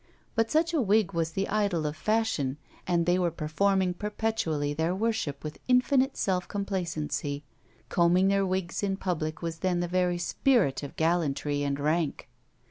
But such a wig was the idol of fashion, and they were performing perpetually their worship with infinite self complacency; combing their wigs in public was then the very spirit of gallantry and rank.